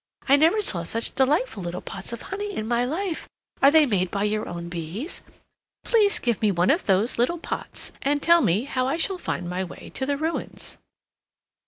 I never saw such delightful little pots of honey in my life—are they made by your own bees? Please give me one of those little pots, and tell me how I shall find my way to the ruins."